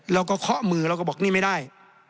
เคาะมือเราก็บอกนี่ไม่ได้